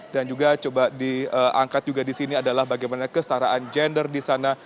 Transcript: dan juga coba diangkat juga di sini adalah bagaimana kestaraan gender di sana